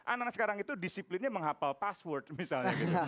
anak anak sekarang itu disiplinnya menghapal password misalnya gitu